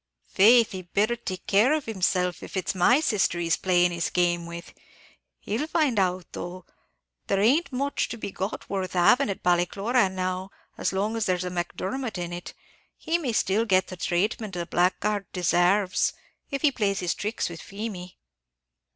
"Faith he'd better take care of himself, if it's my sister he's playing his game with; he'll find out, though there aint much to be got worth having at Ballycloran now, as long as there's a Macdermot in it, he may still get the traitment a blackguard desarves, if he plays his tricks with Feemy!"